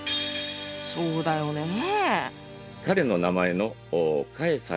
そうだよねぇ。